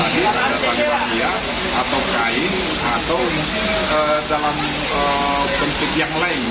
tadi ada bagian panggilan atau kain atau dalam bentuk yang lain